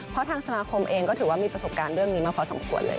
เพราะทางสมาคมเองก็ถือว่ามีประสบการณ์เรื่องนี้มาพอสมควรเลย